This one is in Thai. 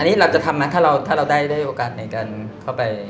อันนี้เราจะทำไหมถ้าเราได้โอกาสในการเข้าไป